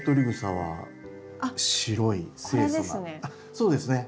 そうですね。